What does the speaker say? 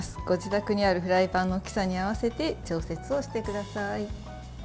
ご自宅にあるフライパンの大きさに合わせて調節をしてください。